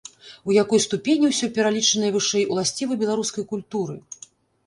У якой ступені ўсё пералічанае вышэй уласціва беларускай культуры?